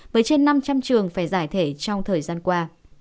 với trên năm trăm linh trường phải giải thể trong thời gian qua